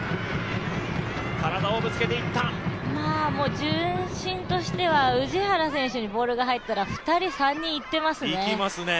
順心としては氏原選手にボールが入ったら２人、３人いってますね。